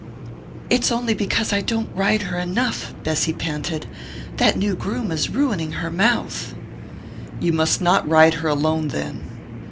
"It's only because I don't ride her enough," Bessy panted. "That new groom is ruining her mouth." "You must not ride her alone, then."